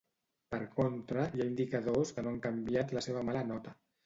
Per contra, hi ha indicadors que no han canviat la seva mala nota.